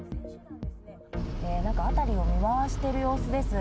なんか辺りを見回している様子です。